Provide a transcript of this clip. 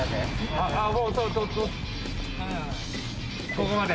ここまで。